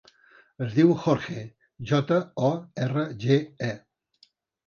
Es diu Jorge: jota, o, erra, ge, e.